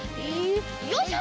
よいしょ。